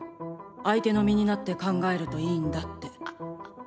相手の身になって考えるといいんだって。